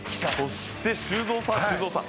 そして修造さん修造さん。